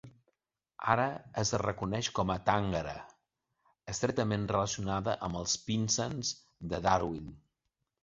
Ara es reconeix com a tàngara, estretament relacionada amb els pinsans de Darwin.